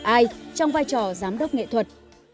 ai trong vai trò giám đốc nghệ thuật